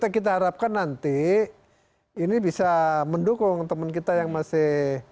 kita harapkan nanti ini bisa mendukung teman kita yang masih